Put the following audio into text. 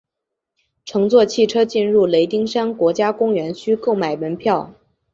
乘坐汽车进入雷丁山国家公园需购买门票。